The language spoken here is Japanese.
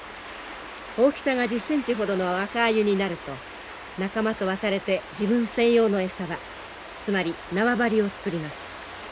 大きさが１０センチほどの若アユになると仲間と別れて自分専用の餌場つまり縄張りを作ります。